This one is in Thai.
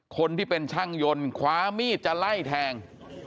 คนที่เป็นช่างยนต์คว้ามีดจะไล่แทง